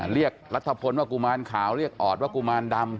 เรียกรัฐพลว่ากุมารขาวเรียกออดว่ากุมารดำ